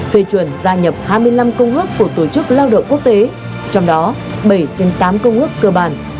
phê chuẩn gia nhập hai mươi năm công ước của tổ chức lao động quốc tế trong đó bảy trên tám công ước cơ bản